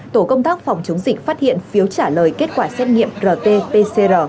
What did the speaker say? tổ công tác phòng chống dịch phát hiện phiếu trả lời kết quả xét nghiệm rt pcr